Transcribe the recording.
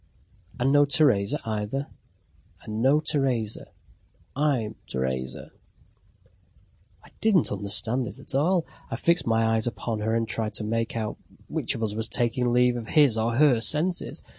"And no Teresa either?" "And no Teresa. I'm Teresa." I didn't understand it at all. I fixed my eyes upon her, and tried to make out which of us was taking leave of his or her senses.